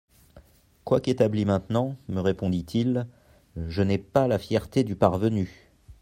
«, Quoique établi maintenant, me répondit-il, je n'ai pas la fierté du parvenu.